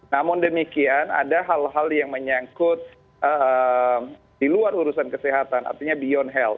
namun demikian ada hal hal yang menyangkut di luar urusan kesehatan artinya beyond health